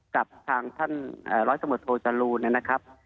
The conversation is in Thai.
กับทางท่านร้อยสมรสโทษธรูปนั้นนะครับ